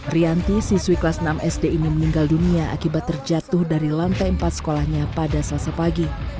rianti siswi kelas enam sd ini meninggal dunia akibat terjatuh dari lantai empat sekolahnya pada selasa pagi